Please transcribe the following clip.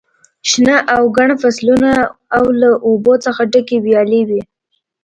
شنه او ګڼ فصلونه او له اوبو څخه ډکې ویالې وې.